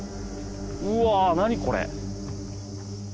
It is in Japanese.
うわ何これ。